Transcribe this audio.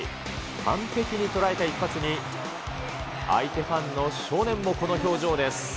完璧に捉えた一発に、相手ファンの少年もこの表情です。